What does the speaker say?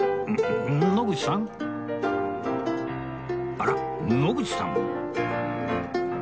あら野口さんも